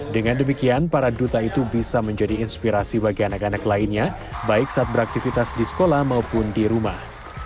dengan demikian para duta itu bisa menjadi inspirasi bagi anak anak lainnya baik saat beraktivitas di sekolah maupun di rumah